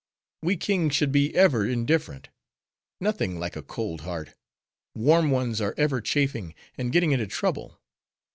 We kings should be ever indifferent. Nothing like a cold heart; warm ones are ever chafing, and getting into trouble.